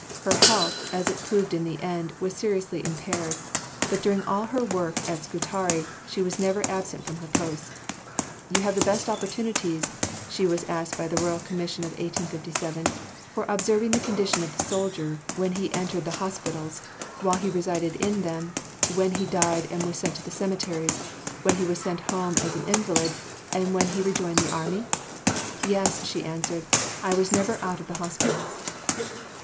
Her health, as it proved in the end, was seriously impaired; but during all her work at Scutari, she was never absent from her post. "You had the best opportunities," she was asked by the Royal Commission of 1857, "for observing the condition of the soldier when he entered the hospitals, while he resided in them, when he died and was sent to the cemeteries, when he was sent home as an invalid, and when he rejoined the army?" "Yes," she answered; "I was never out of the hospitals."